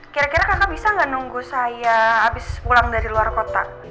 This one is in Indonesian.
kira kira kakak bisa nggak nunggu saya habis pulang dari luar kota